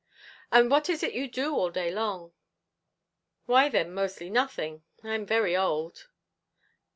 "And what is it you do all day long?" "Why then mostly nothing; I'm very old."